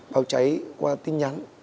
báo cháy qua tin nhắn